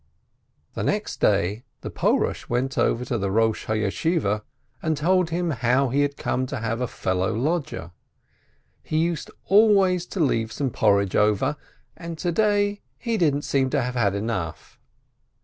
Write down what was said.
WHENCE A PEOVEEB 77 Next day the Porush went over to the Eosh ha Yeshiveh, and told him how he had come to have a fel low lodger; he used always to leave some porridge over, and to day he didn't seem to have had enough.